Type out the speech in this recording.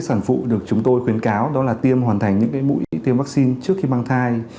sản phụ được chúng tôi khuyến cáo đó là tiêm hoàn thành những mũi tiêm vaccine trước khi mang thai